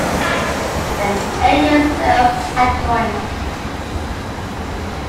Then "A" is self-adjoint.